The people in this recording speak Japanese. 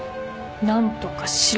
「何とかしろ」